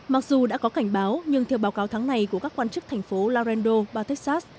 mặc dù đã có cảnh báo nhưng theo báo cáo tháng này của các quan chức thành phố laurendo và texas